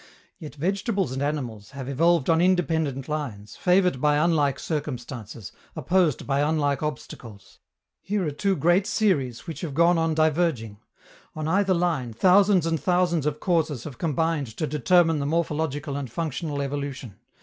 Yet vegetables and animals have evolved on independent lines, favored by unlike circumstances, opposed by unlike obstacles. Here are two great series which have gone on diverging. On either line, thousands and thousands of causes have combined to determine the morphological and functional evolution.